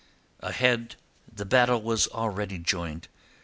Ahead the battle was already joined.